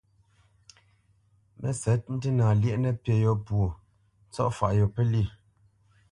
Mə́sɛ̌t, ndína lyéʼ nəpí yô pwô, ntsɔ̂faʼ yô pə́lyê.